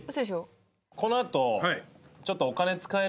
この後。